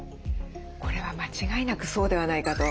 これは間違いなくそうではないかと。